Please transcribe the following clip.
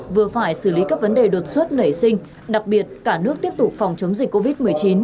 vừa phải xử lý các vấn đề đột xuất nảy sinh đặc biệt cả nước tiếp tục phòng chống dịch covid một mươi chín